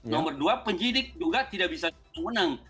nomor dua penyidik juga tidak bisa menang